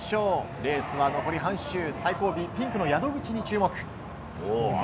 レースは残り半周、最後尾ピンクの宿口に注目。